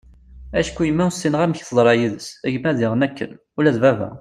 acku yemma ur ssineγ amek teḍṛa yid-s, gma diγen akken, ula d baba